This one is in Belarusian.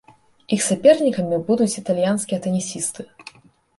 Іх сапернікамі будуць італьянскія тэнісісты.